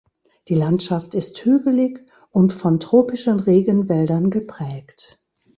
Die Landschaft ist hügelig und von tropischen Regenwäldern geprägt.